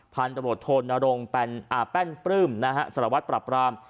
พันธุ์ตำรวจโทนรงแป้นปลื้มนะฮะสารวัตรปรับราม